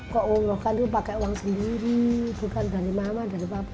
kok umroh kan itu pakai uang sendiri bukan dari mama dari bapak enggak